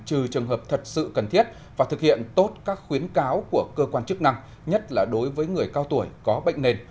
trừ trường hợp thật sự cần thiết và thực hiện tốt các khuyến cáo của cơ quan chức năng nhất là đối với người cao tuổi có bệnh nền